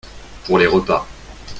Pour les repas.